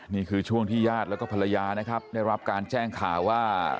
นี่คือช่วงที่ญาติแล้วก็ภรรยานะครับได้รับการแจ้งข่าวว่า